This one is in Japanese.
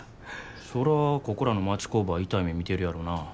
そらここらの町工場は痛い目見てるやろな。